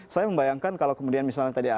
saya membayangkan kalau kemudian misalnya tadi ada